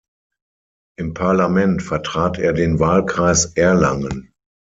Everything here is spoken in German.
Im Parlament vertrat er den Wahlkreis Erlangen.